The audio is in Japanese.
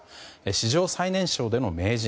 史上最年少での名人。